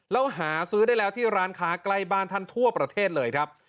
แล้วหาซื้อได้แล้วที่ร้านค้าใกล้บ้านท่านทั่วประเทศเลยครับ